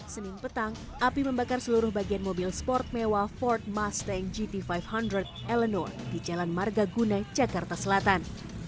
senin petang api membakar seluruh bagian mobil sport mewah ford mustang gt lima ratus eleanor di jalan margaguna jakarta selatan